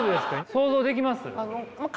想像できます？